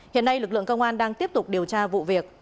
hiện nay lực lượng công an đang tiếp tục điều tra vụ việc